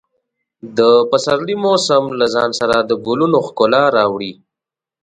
د پسرلي موسم له ځان سره د ګلونو ښکلا راوړي.